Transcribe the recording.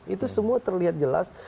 itu semua terlihat jelas